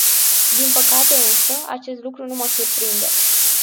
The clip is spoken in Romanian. Din păcate, însă, acest lucru nu mă surprinde.